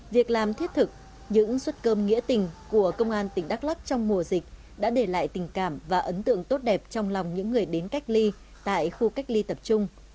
việc làm thiết thực những suất cơm nghĩa tình của công an tỉnh đắk lắc trong mùa dịch đã để lại tình cảm và ấn tượng tốt đẹp trong lòng những người đến cách ly tại khu cách ly tập trung